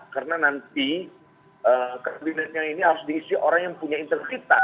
karena nanti kabinetnya ini harus diisi orang yang punya integritas